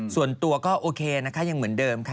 ส่วนตัวก็โอเคนะคะยังเหมือนเดิมค่ะ